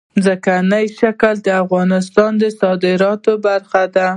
ځمکنی شکل د افغانستان د صادراتو برخه ده.